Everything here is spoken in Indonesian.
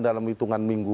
dalam hitungan minggu